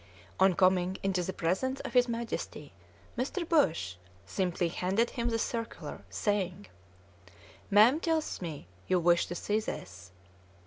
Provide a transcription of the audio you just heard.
On coming into the presence of his Majesty, Mr. Bush simply handed him the circular, saying, "Mam tells me you wish to see this."